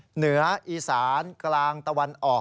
เหนืออีสานกลางตะวันออก